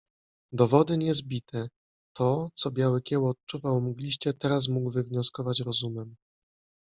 Dowody niezbite. To, co Biały Kieł odczuwał mgliście teraz mógł wywnioskować rozumem.